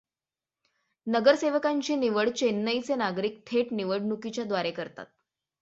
नगरसेवकांची निवड चेन्नईचे नागरिक थेट निवडणुकीच्या द्वारे करतात.